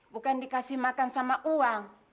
bukan dikasih makan sama uang